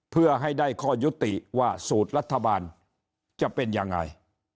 เพื่อให้ได้ข้อยุติว่าสูตรรัฐบาลจะเป็นยังไง